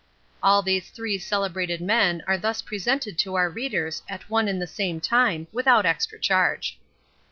All these three celebrated men are thus presented to our readers at one and the same time without extra charge.